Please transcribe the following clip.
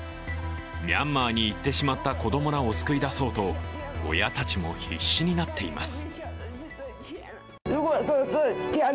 ミャンマーに行ってしまった子供らを救い出そうと親たちも必死になっています。